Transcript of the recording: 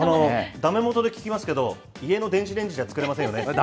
だめもとで聞きますけど、家の電子レンジじゃ作れませんよね。